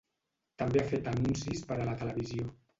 També ha fet anuncis per a la televisió.